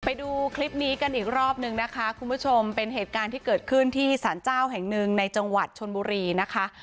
ไปดูคลิปนี้กันอีกรอบนึงนะคะคุณผู้ชมเป็นเหตุการณ์ที่เกิดขึ้นที่สารเจ้าแห่งหนึ่งในจังหวัดชนบุรีนะคะ